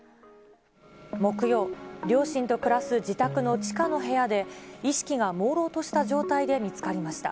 木曜、両親と暮らす自宅の地下の部屋で、意識がもうろうとした状態で見つかりました。